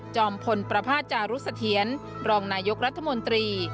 จอมพลประภาจรุษเถียนรองนายกรัฐมนตรี